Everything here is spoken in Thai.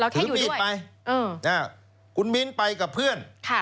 เราแค่อยู่ด้วยถือมีดไปอืมน่ะคุณมิ้นไปกับเพื่อนค่ะ